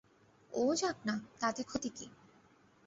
ও যাক-না, তাতে ক্ষতি কী?